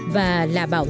và là bảo vệ cho các người